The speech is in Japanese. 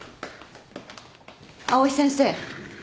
藍井先生。